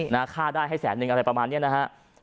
ค่าได้ให้แสนนึงอะไรประมาณนี้นะฮะ